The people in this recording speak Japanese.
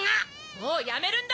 もうやめるんだ！